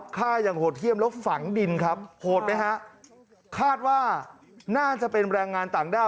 ฆ่าอย่างโหดเยี่ยมแล้วฝังดินครับโหดไหมฮะคาดว่าน่าจะเป็นแรงงานต่างด้าว